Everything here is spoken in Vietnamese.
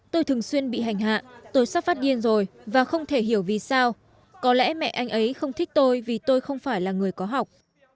tôi thường xuyên bị hành hạ tôi sắp phát điên rồi và không thể hiểu vì sao có lẽ mẹ anh ấy không thích tôi vì tôi không phải là người có học